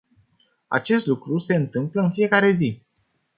Acest lucru se întâmplă în fiecare zi.